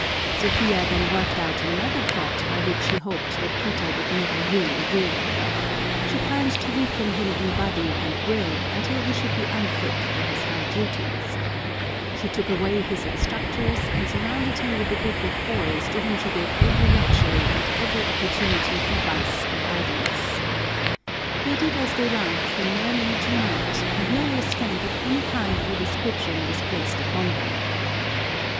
Sophia then worked out another plot by which she hoped that Peter would never really rule. She planned to weaken him in body and will until he should be unfit for his high duties. She took away his instructors and surrounded him with a group of boys to whom she gave every luxury and every opportunity for vice and idleness. They did as they liked from morning to night and no restraint of any kind or description was placed upon them.